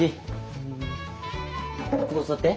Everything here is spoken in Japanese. うんここ座って。